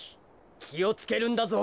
きをつけるんだぞ。